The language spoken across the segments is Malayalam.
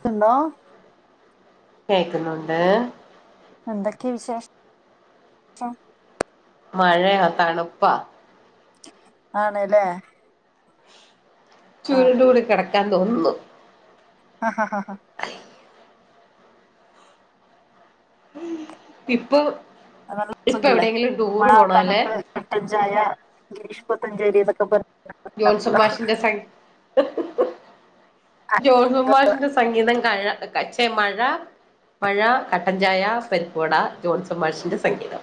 ത്ത്ന്നോ? കേക്കുന്നുണ്ട്. എന്തൊക്കെ വിശേഷം? മഴയാ തണുപ്പാ. ആണ്ലേ? ചൂരുണ്ടൂടി കെടക്കാൻ തോന്നുന്നു. അഹാ ഹാ ഹാ. ഇപ്പൊ ഇപ്പൊവ്ടെങ്കിലും ടൂറ് പോണോലെ? കട്ടൻച്ചായ ഗിരീഷ് [unintelligible] പത്തഞ്ജേരിന്നൊക്കെ പർ ജോൺസമ്മാഷിന്റെ സംഖ ജോത്സമ്മാഷിന്റെ സംഗീതം കഴ കച്ചേ മഴ മഴ ക കട്ടൻച്ചായ പരിപ്പുവട ജോൺ സമ്മാഷിൻ്റെ സംഗീതം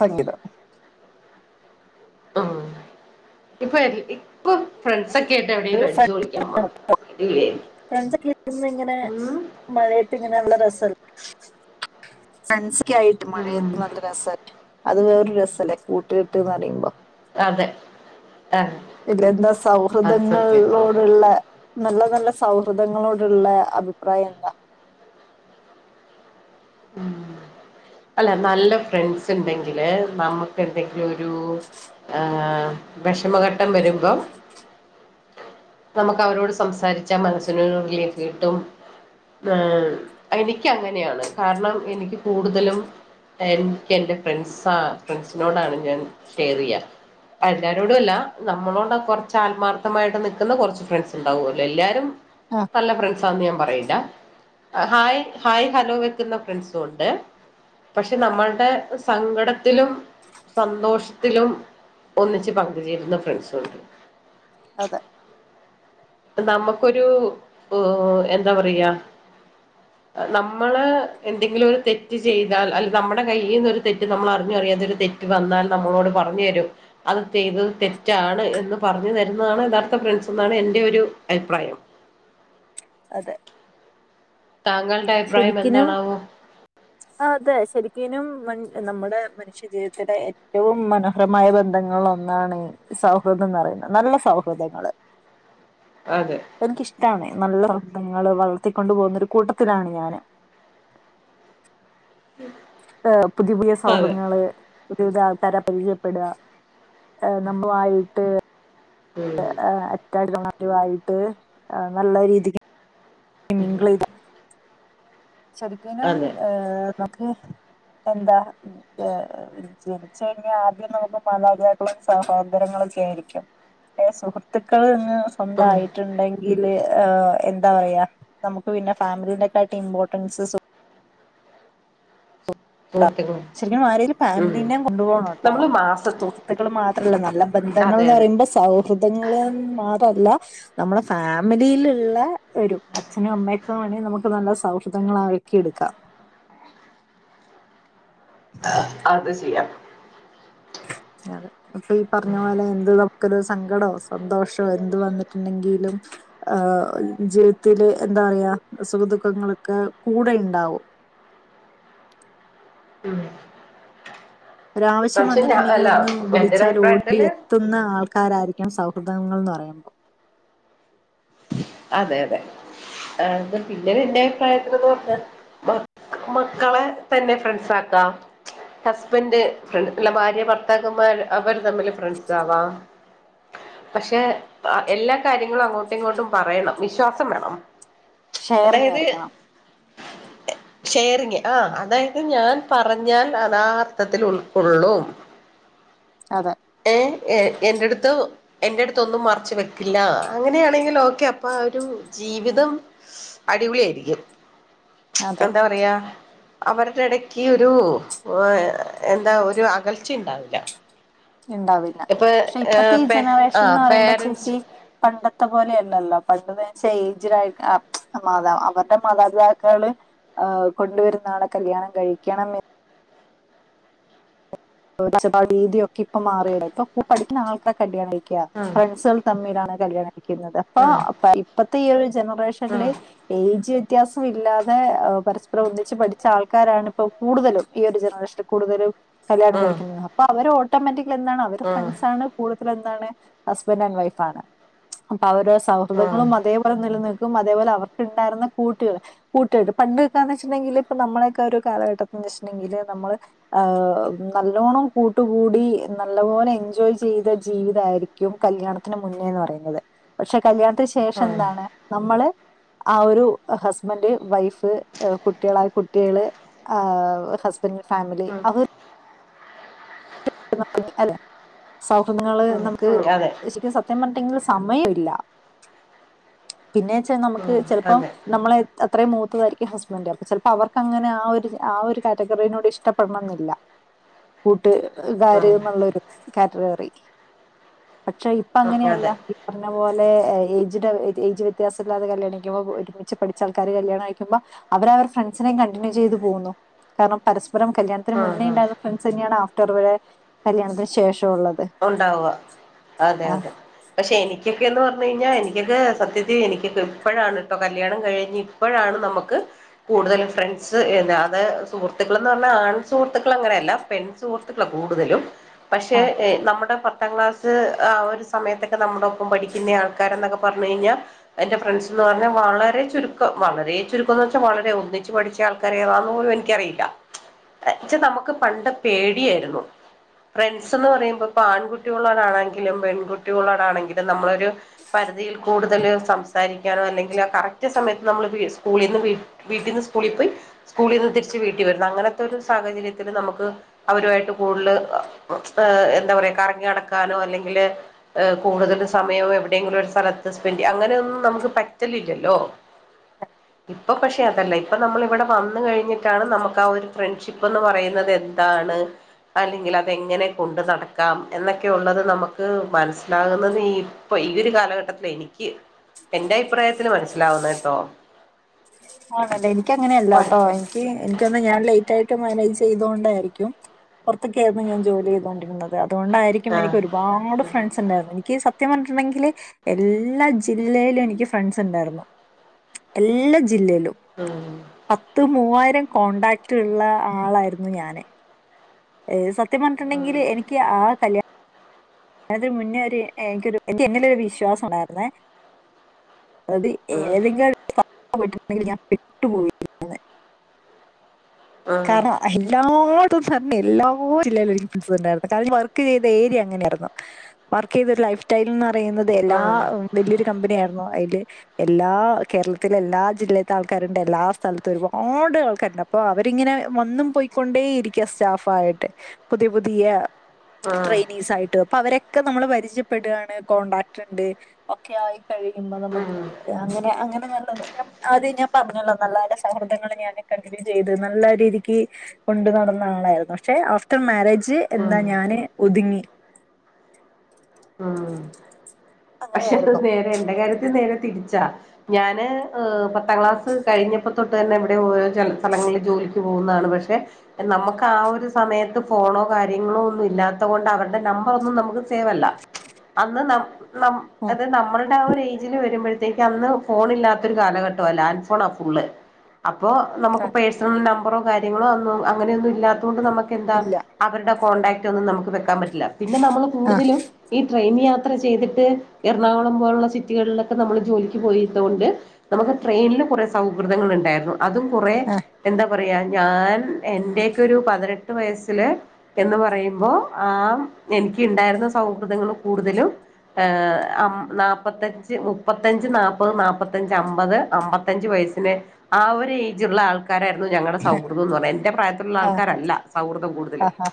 സംഗീതം. ആഹ് ഇപ്പൊ പ്പം ഫ്രണ്ട്സൊക്കായിട്ട് എവിടെങ്കിലും അടിച്ച് പൊളിക്കാൻ പോണം അടിപൊള്യായി [unintelligible] മഴയത്ത്‌ങ്ങെനെ നല്ല രസാണ്. ക്കെ ആയിട്ട് ഉം മഴയത്ത് നല്ല രസല്ലെ? അത് വേറൊരു രസല്ലേ കൂട്ട്കെട്ട്ന്ന് പറയുമ്പോ അതെ ആഹ് ഇത് ലെന്താ സൗഹൃദ് അത് സത്യാട്ടോ ളോട്ള്ളെ നല്ല നല്ല സൗഹൃദങ്ങളോട്ള്ളെ അഭിപ്രായെന്താ? ഉം അല്ല നല്ല ഫ്രണ്ട്സ്ണ്ടെങ്കില് നമുക്കെന്തെങ്കിലൊരു ഏഹ് വെഷമഘട്ടം വരുമ്പം നമുക്കവരോട് സംസാരിച്ചാ മനസ്സിനൊര് റിലീഫ് കിട്ടും ആഹ് എനിക്കങ്ങനെയാണ് കാരണം എനിക്ക് കൂടുതലും എൻക്കെൻ്റെ ഫ്രണ്ട്സാ ഫ്രണ്ട്സിനോടാണ് ഞാൻ ഷെയറെയ്യാ എല്ലാരോടും അല്ല നമ്മളോട് കൊറ്ച്ച് ആത്മാർത്ഥമായിട്ട് നിക്കുന്ന കൊറ്ച്ച് ഫ്രണ്ട്സ്ണ്ടാവോല്ലോ എല്ലാരും ആഹ് നല്ല ഫ്രണ്ട്സാന്ന് ഞാൻ പറയില്ല ഹായ് ഹായ് ഹലോ വെക്കുന്ന ഫ്രണ്ട്സുണ്ട് പക്ഷെ നമ്മൾടെ സങ്കടത്തിലും സന്തോഷത്തിലും ഒന്നിച്ച് പങ്ക്ചേരുന്ന ഫ്രണ്ട്സുണ്ട് അതെ നമുക്കൊരു എന്താ പറയാ നമ്മള് എന്തെങ്കിലൊരു തെറ്റ് ചെയ്താൽ അല്ല നമ്മുടെ കയ്യീന്നൊരു തെറ്റ് നമ്മൾ അറിഞ്ഞോ അറിയാതൊരു തെറ്റ് റ്റ് വന്നാൽ നമ്മളോട് പറഞ്ഞു തരും അത് ചെയ്തത് തെറ്റാണ് എന്ന് പറഞ്ഞു തരുന്നതാണ് യഥാർത്ഥ ഫ്രണ്ട്സ്ന്നാണ് എന്റെയൊരു അഭിപ്രായം അതെ താങ്കൾ ശരിക്ക്നും ആഹ് അതെ ശരിക്ക്നും മ നമ്മുടെ ശരീരത്തിലെ ഏറ്റവും മനോഹരമായ ബന്ധങ്ങളിലൊന്നാണ് സൗഹൃദന്ന് പറയുന്നത് നല്ല സൗഹൃദങ്ങള് അതെ എനിക്കിഷ്ടാണ് നല്ല വൃത്തങ്ങള് വളർത്തിക്കൊണ്ടു പോകുന്നൊര് കൂട്ടത്തിലാണ് ഞാന് ഉം ആഹ് പുതിയ പുതിയ സൗഹങ്ങള് പുതിയ പുതിയ ആൾക്കാരെ പരിചയപ്പെടാ ഹേ നമ്മളായിട്ട് ഉം ഏഹ് അറ്റാച്ചിടായിട്ട് ഏന് നല്ല രീതിക്ക് ഉം ശരിക്ക്നും അതെ ഏഹ് നമുക്ക് എന്താ ഏ ജനിച്ച് കഴിഞ്ഞാ ആദ്യം നമുക്ക് മാതാപിതാക്കളും, സഹോദരങ്ങളക്കെയായിരിക്കും പിന്നെ സുഹൃത്തുക്കളങ് ഉം സ്വന്തായിട്ട്ണ്ടെങ്കില് ഏഹ് എന്താ പറയാ നമുക്ക് പിന്നെ ഫാമിലിയുടെ ക്കാട്ടി ഇംബോ ർട്ടെൻസ് സുഹൃ ത്ത്ക്കളാണ് ശരിക്കും ആ രീതീല് ഫാമിലീന്നേം കൊണ്ടു പോണോട്ടോ? നമ്മള് മാസ സുഹൃത്തുക്കള് മാത്രല്ല നല്ല അതെ ബന്ധങ്ങൾന്ന് അതെ പറയുമ്പോ സൗഹൃദങ്ങള് മാത്രല്ല നമ്മളെ ഫാമിലിയ്ല്ള്ള വരും അച്ഛനും, അമ്മയൊക്കെ വേണെങ്കി നമുക്ക് നല്ല സൗഹൃദങ്ങളാക്കിയെട്ക്കാം അത് ചെയ്യാം അതെ അപ്പ ഈ പറഞ്ഞ പോലെ എന്ത് നമുക്കൊരു സങ്കടോ, സന്തോഷോ എന്ത് വന്നിട്ട്ണ്ടെങ്കിലും ഏഹ് ജീവിതത്തില് എന്താ പറയാ സുഖദുഃഖങ്ങളെക്കെ‌ കൂടെയിണ്ടാവും ഉം ഒരാവശ്യം പക്ഷെ ഞാൻ അല്ല വന്നിട്ടുണ്ടെങ്കിലൊന്ന് എന്റെ ഒരു വിളിച്ചാലോടിയെ അഭിപ്രായത്തില് എത്തുന്ന ആൾക്കാരായിരിക്കണം സൗഹൃദങ്ങൾ എന്ന് പറയുമ്പോൾ അതെ അതെ ആ പിന്നീട് എന്റെ അഭിപ്രായത്തിലന്ന് പറഞ്ഞ മ മക്കളെ തന്നെ ഫ്രണ്ട്സ ആക്കാം ഹസ്ബന്റ് അല്ല ഭാര്യ ഭർത്താക്കന്മാർ അവര് തമ്മില് ഫ്രണ്ട്സാവാം പക്ഷെ എല്ലാ കാര്യങ്ങളും അങ്ങോട്ടും ഇങ്ങോട്ടും പറയണം വിശ്വാസം വേണം ഷെയറിങ് അതായത് ആയിരിക്കണം ഷെയറിങ് ആ അതായത് ഞാൻ പറഞ്ഞാൽ അതാ അർത്ഥത്തിൽ ഉൾക്കൊള്ളും അതെ ഏ എന്റെടുത്ത് എന്റെ അടുത്തൊന്നും മറച്ച് വെക്കില്ല അങ്ങനെയാണെങ്കിൽ ഓക്കെ അപ്പ ഒരു ജീവിതം അടിപൊളിയായിരിക്കും അതെ എന്താ പറയാ അവരുടെ ഇടയ്ക്ക് ഒരു എന്താ ഒരു അകൽച്ച ഉണ്ടാവില്ല ഉണ്ടാവില്ല ഇപ്പൊ പക്ഷെ ഇപ്പത്തെ ഈ പേ ആ ജനറേഷൻ എന്ന് പറയുമ്പോ പേരൻറ്സ് ചേച്ചി പണ്ടത്തെ പോലെയല്ലല്ലോ പണ്ടെന്ന്ച്ചാൽ എയ്‌ജ്ഡ് ആയ്ട്ട മാതാ അവരുടെ മാതാപിതാക്കള് ഉം കൊണ്ടുവരുന്ന ആളെ കല്യാണം കഴിക്കണം ഭക്ഷണരീതിയൊക്കെ ഇപ്പ മാറി [inaudible] ഇപ്പ പഠിക്കുന്ന ആൾക്കാരൊക്കെ കല്യാണം കഴിക്ക ഉം ഫ്രണ്ട്സാ തമ്മിലാണ് കല്യാണിക്കുന്നത് അപ്പൊ ഉം ഇപ്പഴത്തെ ഈ ഒരു ഉം ജനറേഷനില് ഏജ് വ്യത്യാസം ഇില്ലാതെ പരസ്പരം ഒന്നിച്ച് പഠിച്ച ആൾക്കാരാണ് ഇപ്പോൾ കൂടുതലും ഈ ഒരു ജനറേഷൻ കൂടുതലും കല്ല്യാണം ഉം കഴിക്കുന്നത് അപ്പൊ അവര് ഓട്ടോമാറ്റിക്കലി എന്താണ് അവര് ഉം ഫ്രണ്ട്സാണ് കൂടുതലും എന്താണ് ഹസ്ബന്റ് ആൻഡ് വൈഫാണ് അപ്പോ അവരുടെ ഉം സൗഹൃദങ്ങളും അതേ അതും നിലനിൽക്കും അതേപോലെ അവർക്കുണ്ടായിരുന്ന കൂട്ടുകൾ കൂട്ട് കെട്ട് പണ്ടെക്കാന്ന് വെച്ചിണ്ടെങ്കില് ഇപ്പ നമ്മളൊക്കെ ഒരു കാലഘട്ടംന്ന് വച്ചിട്ടുണ്ടെങ്കില് നമ്മള് ആഹ് നല്ലോണം കൂട്ടുകൂടി നല്ല പോലെ എൻജോയ് ചെയ്ത ജീവിതമായിയിരിക്കും കല്യാണ ത്തിന് മുന്നേന്ന് പറയുന്നത് പക്ഷെ കല്യാണത്തിന് ശേഷം ഉം എന്താണ് നമ്മള് ആ ഒരു ഹസ്ബൻഡ് വൈഫ് കുട്ടികളായ കുട്ടികള് ആഹ് ഫ പിന്നെ ഫാമിലി ഉം അവ [inaudible] അല്ലെ സൗഹൃദങ്ങള് ഉം നമുക്ക് ഉം അതെ [unintelligible] സത്യം പറഞ്ഞിട്ടെങ്കിൽ സമയം ഇല്ല പിന്നെച്ചാ നമുക്ക് ഉം ചെലപ്പോ അതെ നമ്മളെ അത്രയും മൂത്തതായിരിക്കും ഹസ്ബൻഡ് അപ്പം ചിലപ്പോ അവർക്കങ്ങനെ ആ ഒരു ആ ഒരു കാറ്റഗറിനോട് ഇഷ്ടപ്പെ പെടണംന്നില്ല കൂട്ട് ഇതാര് ഉം എന്നുള്ളരു കാറ്റഗറി പക്ഷെ ഇപ്പം അങ്ങനെയല്ല അതെ പറഞ്ഞ പോലെ ഏജ്ട് ഏജ് വ്യത്യാസം ഇല്ലാതെ കല്യാണം കഴിക്കുമ്പോ ഒരു ഒന്നിച്ച് പഠിച്ച ആൾക്കാര് കല്യാണം അിക്കുമ്പോ അവർ ഫ്രണ്ട്സിനെ കണ്ടിന്യൂ ചെയ്തു പോകുന്നു കാരണം പരസ്പരം കല്യാണത്തിന് ഉം മുന്നേ ഉം ഉണ്ടായിരുന്ന ഫ്രണ്ട്സ് തന്നെയാണ് ആഫ്റ്റർ വരെ കല്യാണത്തിന് ശേഷം ഉള്ളത് ഉണ്ടാവുക അതെ ആ അതെ പക്ഷെ എനിക്കൊക്കെ എന്ന് പറഞ്ഞു കഴിഞ്ഞാൽ എനിക്കൊക്കെ സത്യത്തിൽ എനിക്കൊക്കെ ഇപ്പോഴാണ് കേട്ടോ കല്യാണം കഴിഞ്ഞ് ഇപ്പോഴാണ് നമുക്ക് കൂടുതലും ഫ്രണ്ട്സ് അത് സുഹൃത്തുക്കൾ എന്ന് പറഞ്ഞാൽ ആൺ സുഹൃത്തുക്കൾ അങ്ങനെയല്ല പെൺ സുഹൃ ത്തുക്കളാ കൂടുതലും പക്ഷേ ആ നമ്മുടെ പത്താം ക്ലാസ് ആ ഒരു സമയത്തൊക്കെ നമ്മുടെ ഒപ്പം പഠിക്കുന്ന ആൾക്കാര എന്നൊക്കെ പറഞ്ഞു കഴിഞ്ഞാൽ എന്റെ ഫ്രണ്ട്സ്ന്ന് പറഞ്ഞാൽ വളരെ ചുരുക്കം വളരെ ചുരുക്കംന്ന് വെച്ചാൽ വളരെ ഒന്നിച്ച് പഠിച്ചു വല്യ ആൾക്കാര ഏതാന്ന് പോലും എനിക്കറിയില്ല വച്ചാ നമുക്ക് പണ്ട് പേടിയായിരുന്നു ഫ്രണ്ട്സ് എന്ന് പറയുമ്പോ ആൺകുട്ടികളോടാണെങ്കിലും പെൺകുട്ടികളോടാണെങ്കിലും നമ്മൾ പരിതിയിൽ കൂടുതല് സംസാരി- ക്കാനോ അല്ലെങ്കിൽ ആ കറക്റ്റ് സമയത്ത് നമ്മള് വി സ്കൂളീന്ന് വീട്ടീന്ന് സ്കൂളി പോയി സ്കൂളീന്ന് തിരിച്ച് വീട്ടി വരുന്നു അങ്ങനത്തെ ഒരു സാഹചര്യത്തില് നമുക്ക് അവരുവായിട്ട് കൂടുതല് ഏഹ് എന്താ പറയാ കറങ്ങി നടക്കാനോ അല്ലെങ്കില് ഏഹ് കൂടുതലും സമയം എവിടെയെങ്കിലും ഒരു സ്ഥലത്ത് സ്പെൻഡ്യ്യ അങ്ങനെയൊന്നും നമുക്ക് പറ്റലില്ലല്ലോ. ഇപ്പൊ പക്ഷെ അതല്ല ഇപ്പൊ നമ്മള് വടെ വന്നുകഴിഞ്ഞിട്ടാണ് നമുക്ക് ആ ഒരു ഫ്രണ്ട്ഷിപ്പ് എന്ന് പറയുന്നതെന്താണ് അല്ലെങ്കിലതെങ്ങനെ കൊണ്ട് നടക്കാം. എന്നൊക്കെയുള്ളത് നമുക്ക് മനസ്സിലാകുന്നുന്നതീ പ്പൊ ഈ ഒരു കാലഘട്ടത്തിൽ എനിക്ക് എന്റെ അഭിപ്രായത്തിൽ മനസ്സിലാവുന്നത് ട്ടോ ആണല്ലേ എനിക്കങ്ങനെയല്ലാ ട്ടോ എനിക്ക് തോന്നണ് ഞാൻ ലേറ്റായിട്ട് മാനേജ് ചെയ്തോണ്ടായിരിക്കും. പൊറത്തൊക്കെയായിരുന്നു ഞാൻ ജോലി ചെയ്തുകൊണ്ടിരുന്നത് അതുകൊണ്ടായിരിക്കും ആഹ് എനിക്ക് ഒരുപാട് ഫ്രണ്ട്സ് ഉണ്ടായിരുന്നു. എനിക്ക് സത്യം പറഞ്ഞിട്ടുണ്ടെങ്കില് എല്ലാ ജില്ലയിലും എനിക്ക് ഫ്രണ്ട്സ് ണ്ടായിരുന്നു. എല്ല ജില്ലേലും ആഹ് പത്ത് മൂവായിരം കോൺടാക്ട്ള്ള ആളായിരുന്നു ഞാന്. ഏഹ് സത്യം ഉം പറഞ്ഞിട്ടുണ്ടെങ്കിൽ എനിക്ക് ആ കല്യാ ണത്തിന് മുന്നേ ഒരു എനിക്കൊരു എനിക്ക് എന്നിലൊരു വിശ്വാസം ഉണ്ടായിരുന്നേ അത് ഉം ഏതെങ്കിലും [unintelligible] ണ്ടെങ്കിൽ ഞാൻ പെട്ടുപോയിരുന്നേനെ ഉം കാരണം എല്ലാ ത്തും ഫ്രണ്ട് എല്ലാ ജില്ലയിലും ഫ്രണ്ട്സുണ്ടായിരുന്നു കാരണം വർക്ക് ചെയ്ത ഏരിയ അങ്ങനെയായിരുന്നു. വർക്കെയ്തരു ലൈഫ് സ്റ്റൈൽന്ന് പറയുന്നത് എല്ലാ ഉം വലിയൊരു കമ്പനിയായിരുന്നു അയില് എല്ലാ കേരളത്തിലെ എല്ലാ ജില്ലത്തെ ആൾക്കാരുണ്ട് എല്ലാ സ്ഥലത്തും ഒരുപാട് ആൾക്കാരുണ്ട് അപ്പൊ അവരിങ്ങനെ വന്നും പോയിക്കൊണ്ടേ ഇരിക്ക സ്റ്റാഫായിട്ട് പുതിയ പുതിയ ഉം ട്രെയിനീസായിട്ട് അപ്പൊ അവരൊക്കെ നമ്മള് പരിചയപ്പെടുകയാണ് കോടാക്ട് ഉണ്ട് ഒക്കെ ആയി കഴിയുമ്പോ നമുക്ക് ഉം അങ്ങനെ അങ്ങനെ നല്ലത് അത് ഞാൻ പറഞ്ഞല്ലോ നല്ല നല്ല സൗഹൃദങ്ങള് ഞാന് കണ്ടിന്യൂ ചെയ്ത് നല്ല രീതിക്ക് കൊണ്ടു നടന്ന ആളായിരുന്നു പക്ഷെ ആഫ്റ്റർ മാരേജ് എന്താ ഉം ഞാന് ഒതുങ്ങി. ഉം പക്ഷെ പ്പം അങ്ങനെയായിരുന്നു നേരെ എന്റെ കാര്യ എന്റെ നേരെ തിരിച്ചാ ഞാന് ഏഹ് പത്താം ക്ലാസ്സ് കഴിഞ്ഞപ്പോ തൊട്ട് തന്നെ ഇവിടെ ചെല സ്ഥലങ്ങളിൽ ജോലിക്ക് പോകുന്നതാണ് പക്ഷേ നമുക്കാ ഒരു സമയത്ത് ഫോണോ കാര്യങ്ങളോ ഒന്നും ഇല്ലാത്ത കൊണ്ട് അവരുടെ നമ്പറൊന്നും നമുക്ക് സേവല്ല അന്ന് നം നം ഉം അത് നമ്മൾ അവടെ ആ ഒരു ഏജില് വരുമ്പഴത്തേക്ക് അന്ന് ഫോൺ ഇല്ലാത്തൊരു കാലഘട്ടുവാ. ലാൻഡ് ഫോണാ ഫുള്ള് അപ്പൊ നമുക്ക് ആ പേഴ്സണൽ നമ്പറോ കാര്യങ്ങളോ അന്നും അങ്ങനെയൊന്നും ഇല്ലാത്ത കൊണ്ട് നമുക്കെന്താ ഇല്ല അവരുടെ കോൺടാക്ട് ഒന്നും നമുക്ക് വെക്കാൻ പറ്റില്ല പിന്നെ നമ്മൾ ആ കൂടുതലും ഈ ട്രെയിൻ യാത്ര ചെയ്തി ത്ത് എറണാകുളം പോലുള്ള സിറ്റികളിലൊക്കെ നമ്മൾ ജോലിക്ക് പോയിയതുകൊണ്ട് നമുക്ക് ട്രെയിനില് കുറെ സൗഹൃദങ്ങൾ ഉണ്ടായിരുന്നു അതും കുറെ ആ എന്താ പറയാ ഞാൻ എൻ്റെയൊക്കെ ഒരു പതിനെട്ട് വയസ്സിൽ എന്ന് പറയുമ്പോ. ആം എനിക്ക്ണ്ടായിരുന്ന സൗഹൃദങ്ങൾ കൂടുതലും ഏഹ് അം നാപത്തഞ്ച് മുപ്പത്തഞ്ച് നാപത് നാപത്തഞ്ച് അമ്പത് അമ്പ ത്തഞ്ച് വയസ്സിന് ആഹ് ഒരു ഏജുള്ള ആൾ ക്കാരായിരുന്നു ഞങ്ങളുടെ സൗഹൃദം എന്ന് പറഞ്ഞ എന്റെ പ്രായത്തിലുള്ള ആ ആൾക്കാരല്ല സൗഹൃദം ആ കൂടുതലും. ആ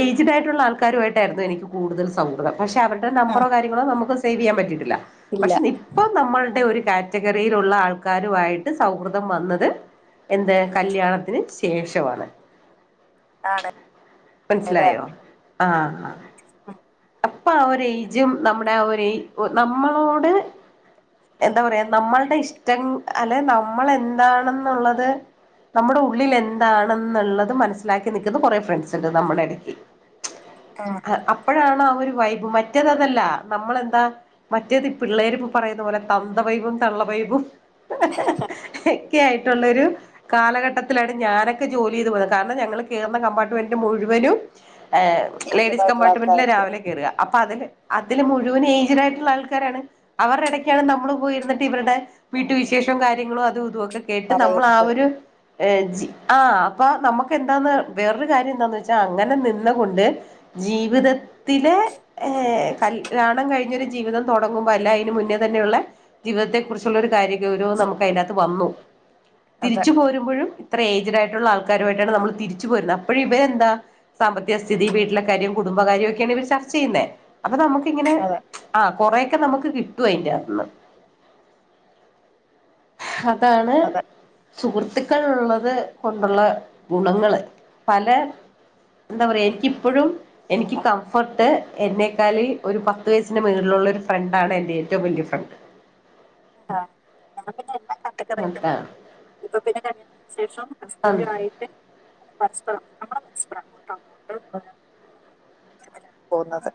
ഏജ്ഡായിട്ടുള്ള ആൾക്കാരുമായിട്ടായിരുന്നു എനിക്ക് കൂടുതൽ സൗഹൃദം പക്ഷെ അവരുടെ നം ആ മ്പറോ കാര്യങ്ങളോ നമുക്ക് സേവ് ചെയ്യാൻ പറ്റിയിട്ടില്ല ഇല്ല പക്ഷെ ഇപ്പൊ നമ്മളുടെ ഒരു കാറ്റഗറിയിലുള്ള ആൾക്കാരു ആയിട്ട് സൗഹൃദം വന്നത് എന്ത് കല്യാണത്തിന് ശേഷമാണ്. ആണ് മൻസിലായോ ആഹ് ഉം അപ്പം ആഹ് ഒരു ഏജും നമ്മുടെ ഒര് നമ്മളോട് എന്താ പറയാ നമ്മളുടെ ഇഷ്ടം അല്ലെ നമ്മൾ എന്താണെന്നുള്ളത് നമ്മുടെ ഉള്ളിൽ എന്താണെന്നുള്ളത് മനസ്സിലാക്കി നിക്കുന്ന കൊറേ ഫ്രണ്ട്സ്ണ്ട് നമ്മടെ എടക്ക്. ആഹ് അപ്പഴാണ് ആ ഒരു വൈബ്, മറ്റേതതല്ലാ നമ്മളെന്താ മറ്റേത് പിള്ളേരിപ്പ പറയുന്ന പോലെ തന്തവൈബും, തള്ളവൈബും ഹ്ഹ്ഹ ഒക്കെ ആയിട്ടുള്ളൊരു കാലഘട്ടത്തിലാണ് ഞാനൊക്കെ ജോലി ചെയ്ത് പോകുന്നത്. കാരണം ഞങ്ങൾ കേറുന്ന കമ്പാർട്ട്മെന്റ് മുഴുവനും ഏഹ് ഏജ്ഡ് ലേഡീസ് ആയിട്ടുള്ള കമ്പാർട്ടുമെൻ്റ് ആൾക്കാരായിരിക്കും ല കേറുക. അപ്പൊ അതില്, അതില് മുഴുവൻ ഏജ്ഡ് ആയിട്ടുള്ള ആൾക്കാരാണ്. അവരുടെ ഇടയ്ക്കാണ് നമ്മൾ പോയിരുന്നിട്ട് ഇവരുടെ വീട്ടു വിശേഷവും കാര്യങ്ങളോ അതും ഇതുംവൊക്കെ കേട്ട് നമ്മൾ ആ പറയുന്നത് ഒരു ആ അപ്പൊ നമുക്ക് ഉണ്ടാവുന്ന വേറൊരു കാര്യം എന്താന്ന് വെച്ചാ അങ്ങനെ നിന്ന് കൊണ്ട് ജീവിത ത്തിലെ, കല്യാണം കഴിഞ്ഞൊരു ജീവിതം തുടങ്ങുമ്പോ, അല്ല അതിന് മുന്നേ തന്നെയുള്ള ജീവിതത്തെ കുറിച്ചുള്ള ഒരു കാര്യ ഗൗരവം നമുക്ക് അതിനകത്ത് വന്നു. അതെ തിരിച്ചു പോരുമ്പോഴും അത്ര എയ്ജ്ഡ് ആയിട്ടുള്ള ആൾക്കാരുമായിട്ടാണ് നമ്മൾ തിരിച്ചു പോരുന്നത്. അപ്പോഴും ഇവര് എന്താ സാമ്പത്തിക സ്ഥിതി, വീട്ടിലെ കാര്യം, കുടുംബകാര്യം, ഒക്കെയാണ് ഇവർ ചർച്ച ചെയ്യുന്നത്. അപ്പൊ നമുക്കിങ്ങനെ അതെ ആഹ് കുറെ ഒക്കെ നമുക്ക് കിട്ടും അയിന്റെകത്തു നിന്ന് അതാണ് അതെ സുഹൃത്തുക്കൾ ഉള്ളത് കൊണ്ടുള്ള ഗുണങ്ങള്. പല എന്താ പറയ, എനിക്കിപ്പോഴും എനിക്ക് കംഫേർട്ട്, എന്നേക്കാളിൽ ഒരു പത്ത് വയസ്സിൻ്റെ മുകളിലുള്ള ഒരു ഫ്രണ്ടാണ്, എൻ്റെ ഏറ്റവും വലിയ ഫ്രണ്ട്. ആ [unintelligible] അതാണ് ഇപ്പൊ പിന്നെ കല്യാണത്തിന് ശേഷം ഹസ്ബൻ്റുമായിട്ട് പരസ്പരം, നമ്മള് പരസ്പരം അങ്ങോട്ട് ഇങ്ങോട്ട് പോകുന്നത്.